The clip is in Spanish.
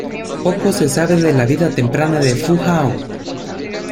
Poco se sabe de la vida temprana de Fu Hao.